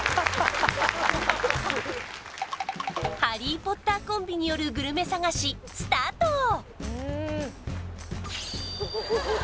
ハリー・ポッターコンビによるグルメ探しスタート！